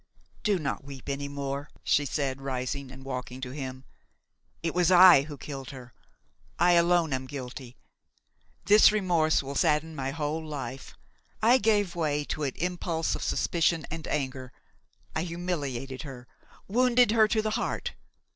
"Do not weep any more," she said, rising and walking up to him; "it was I who killed her; I alone am guilty. This remorse will sadden my whole life. I gave way to an impulse of suspicion and anger; I humiliated her, wounded her to the heart.